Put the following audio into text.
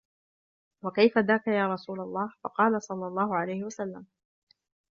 وَكَيْفَ ذَاكَ يَا رَسُولَ اللَّهِ ؟ فَقَالَ صَلَّى اللَّهُ عَلَيْهِ وَسَلَّمَ